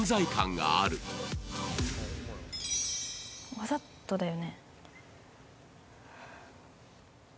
わざとだよね？